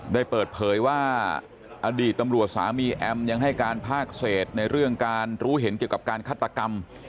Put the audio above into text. ได้เปิดเผยว่าอดีตตำรวจสามีแอมยังให้การภาคเศษในเรื่องการรู้เห็นเกี่ยวกับการฆาตกรรม